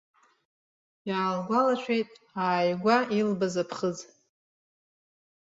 Иаалгәалашәеит ааигәа илбаз аԥхыӡ.